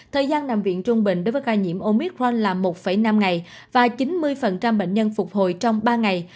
thời gian nằm viện trung bình đối với ca nhiễm omicron là một năm ngày và chín mươi bệnh nhân phục hồi trong ba ngày